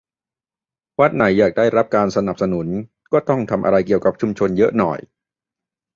วัดไหนอยากได้รับการสนับสนุน ก็ต้องทำอะไรเกี่ยวกับชุมชนเยอะหน่อย